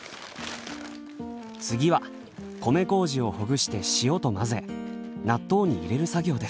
次は米麹をほぐして塩と混ぜ納豆に入れる作業です。